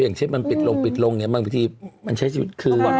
อย่างเช่นมันปิดลงปิดลงเนี่ยบางทีมันใช้ชีวิตคือวัน